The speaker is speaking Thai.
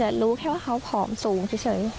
แต่รู้ว่าเขาเองพอมสูงเฉย